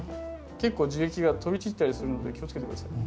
結構樹液が飛び散ったりするので気をつけて下さいね。